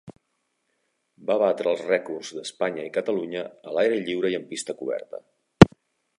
Va batre els rècords d'Espanya i Catalunya a l'aire lliure i en pista coberta.